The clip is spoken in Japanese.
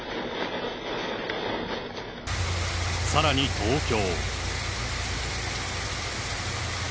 さらに東京。